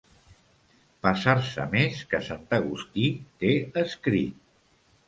Passar-se més que sant Agustí té escrit.